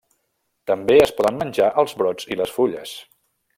També es poden menjar els brots i les fulles.